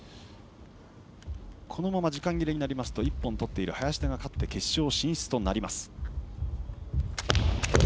このまま時間切れになりますと１本取っている林田が勝って決勝進出となります。